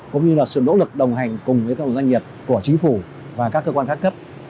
cũng như là sự nỗ lực đồng hành cùng với cộng đồng doanh nghiệp của chính phủ và các cơ quan khác cấp